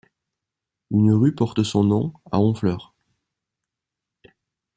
Une rue porte son nom à Honfleur.